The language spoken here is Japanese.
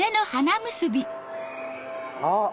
あっ！